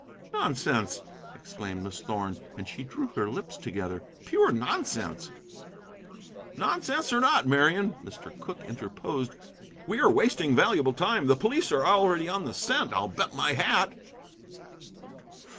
"Nonsense!" exclaimed Miss Thorn, and she drew her lips together, "pure nonsense!" "Nonsense or not, Marian," Mr. Cooke interposed, "we are wasting valuable time. The police are already on the scent, I'll bet my hat."